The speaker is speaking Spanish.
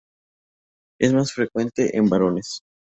Es más frecuente en varones.